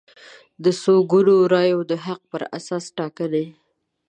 د څو ګونو رایو د حق پر اساس ټاکنې